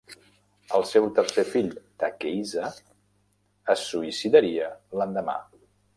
El seu tercer fill Takehisa es suïcidaria l'endemà.